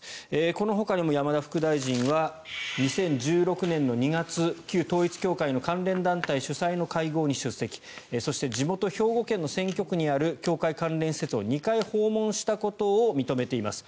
このほかにも山田副大臣は２０１６年の２月旧統一教会の関連団体主催の会合に出席そして地元・兵庫県の選挙区にある教会関連施設を２回訪問したことを認めています。